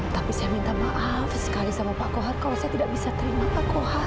tapi saya minta maaf sekali sama pak kohar kalau saya tidak bisa terima pak kohar